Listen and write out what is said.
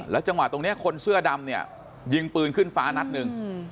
จังหวะตรงนี้คนเสื้อดำเนี่ยยิงปืนขึ้นฟ้านัดหนึ่ง